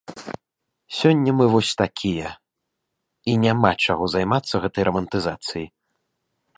Сёння мы вось такія, і няма чаго займацца гэтай рамантызацыяй.